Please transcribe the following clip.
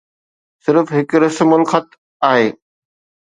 صرف هڪ رسم الخط آهي.